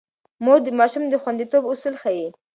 مور د ماشوم د خونديتوب اصول ښيي.